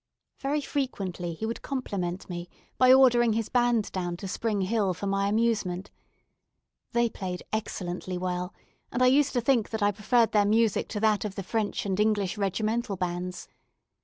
Very frequently he would compliment me by ordering his band down to Spring Hill for my amusement. They played excellently well, and I used to think that I preferred their music to that of the French and English regimental bands.